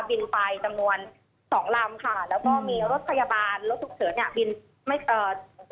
บินไปจำนวนสองลำค่ะแล้วก็มีรถพยาบาลรถฉุกเฉินเนี่ยบินไม่เอ่อ